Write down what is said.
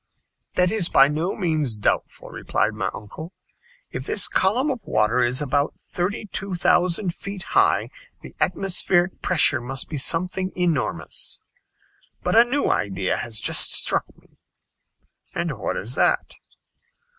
"That is by no means doubtful," replied my uncle, "if this column of water is about thirty two thousand feet high, the atmospheric pressure must be something enormous. But a new idea has just struck me." "And what is that?"